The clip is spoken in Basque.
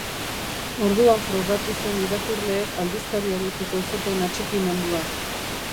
Orduan frogatu zen irakurleek aldizkariarekiko zuten atxikimendua.